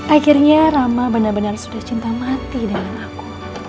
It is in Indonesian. akhirnya rama benar benar sudah cinta mati dengan aku